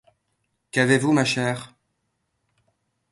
Qu’avez-vous, ma chère?